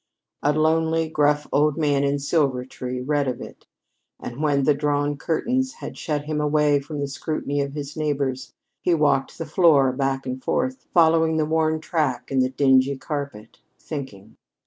A lonely, gruff old man in Silvertree read of it, and when the drawn curtains had shut him away from the scrutiny of his neighbors, he walked the floor, back and forth, following the worn track in the dingy carpet, thinking.